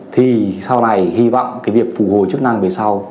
thì sau này hy vọng cái việc phục hồi chức năng về sau